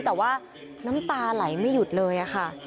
แต่ว่าน้ำตาไหลไม่หยุดเลยค่ะ